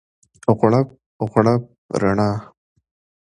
غوړپ، غوړپ رڼا